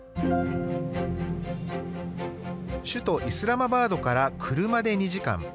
首都イスラマバードから車で２時間。